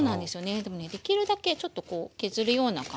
でもねできるだけちょっとこう削るような感じで。